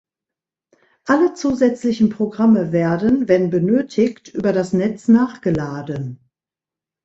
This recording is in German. Alle zusätzlichen Programme werden, wenn benötigt, über das Netz nachgeladen.